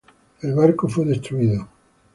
El barco fue destruido.